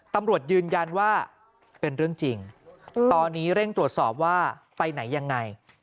ตำรวจยืนยันว่าเป็นเรื่องจริงตอนนี้เร่งตรวจสอบว่าไปไหนยังไง